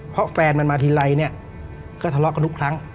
เพราะแฟนมันมาทีไรเนี่ยก็ทะเลาะกันทุกครั้ง